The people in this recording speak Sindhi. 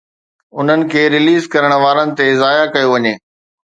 انهن کي ريليز ڪرڻ وارن تي ضايع ڪيو وڃي.